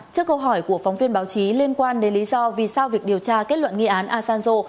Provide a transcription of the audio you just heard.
trước câu hỏi của phóng viên báo chí liên quan đến lý do vì sao việc điều tra kết luận nghi án asanzo